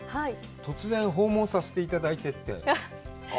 “突然、訪問させていただいて”って。